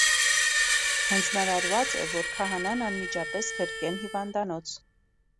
Յանձնարարուած է, որ քահանան անմիջապէս ղրկեն հիւանդանոց։